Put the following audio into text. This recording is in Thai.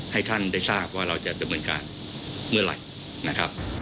ให้ท่านได้ทราบว่าเราจะดำเนินการเมื่อไหร่นะครับ